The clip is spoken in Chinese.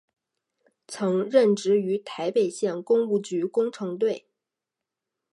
曾任职于台北县工务局工程队。